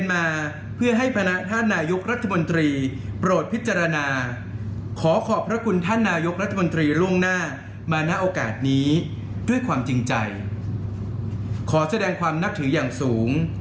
ขอแสดงความจริงใจขอแสดงความนับถืออย่างสูง